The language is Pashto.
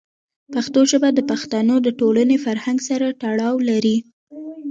پښتو ژبه د پښتنو د ټولنې فرهنګ سره تړاو لري.